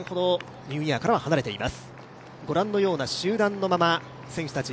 ご覧のような集団のようなまま選手たち